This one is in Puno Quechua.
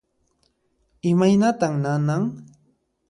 Imaynatan nanan?